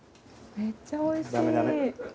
めっちゃおいしい。